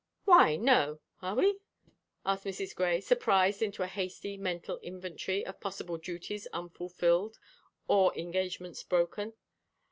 "Why, no; are we?" asked Mrs. Grey, surprised into a hasty mental inventory of possible duties unfulfilled or engagements broken.